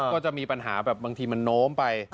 ก็จะมีปัญหาแบบบางทีมันโน้มไป